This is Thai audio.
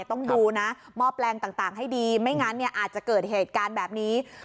ต้องดูนะมอบแรงต่างให้ดีไม่งั้นจะเกิดเหตุการณ์แบบนี้